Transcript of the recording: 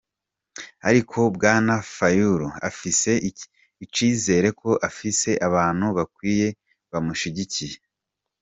Ariko Bwana Fayulu afise icizere ko afise abantu bakwiye bamushigikiye.